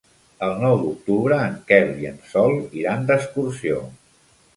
El nou d'octubre en Quel i en Sol iran d'excursió.